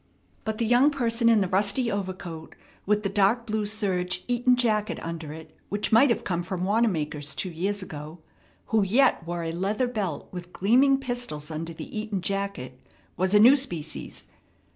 But the young person in the rusty overcoat, with the dark blue serge Eton jacket under it, which might have come from Wanamaker's two years ago, who yet wore a leather belt with gleaming pistols under the Eton jacket, was a new species.